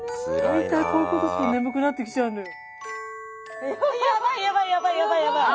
大体こういうことすると眠くなってきちゃうのよ。